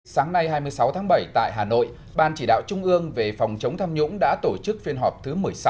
sáng nay hai mươi sáu tháng bảy tại hà nội ban chỉ đạo trung ương về phòng chống tham nhũng đã tổ chức phiên họp thứ một mươi sáu